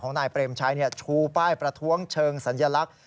นายเปรมชัยชูป้ายประท้วงเชิงสัญลักษณ์